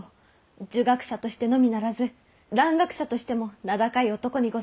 儒学者としてのみならず蘭学者としても名高い男にございますね。